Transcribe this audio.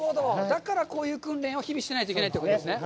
だからこういう訓練を日々しないといけないんですね。